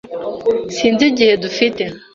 Sinzi igihe dufite.